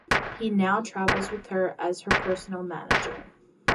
He now travels with her as her personal manager.